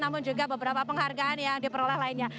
namun juga beberapa penghargaan yang diperoleh lainnya